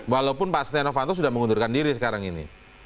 walaupun pak steno vanto sudah mengundurkan diri sekarang ini